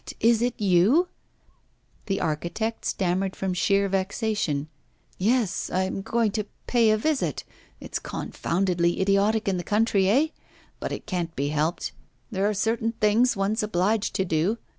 'What! is it you?' The architect stammered from sheer vexation: 'Yes, I am going to pay a visit. It's confoundedly idiotic in the country, eh? But it can't be helped. There are certain things one's obliged to do.